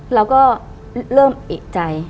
เราก็เริ่มเอกใจ